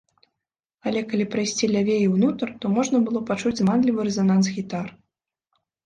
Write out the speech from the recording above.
Але, калі прайсці лявей і ўнутр, то можна было пачуць зманлівы рэзананс гітар.